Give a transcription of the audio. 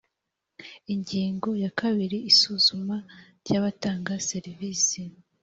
ingingo ya kabiri isuzuma ry abatanga serivisi